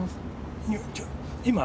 今？